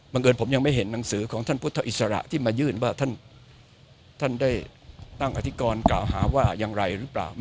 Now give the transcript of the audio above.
เอิญผมยังไม่เห็นหนังสือของท่านพุทธอิสระที่มายื่นว่าท่านได้ตั้งอธิกรกล่าวหาว่าอย่างไรหรือเปล่า